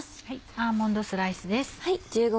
アーモンドスライスです。